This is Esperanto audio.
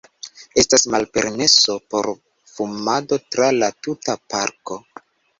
Estas malpermeso por fumado tra la tuta parko.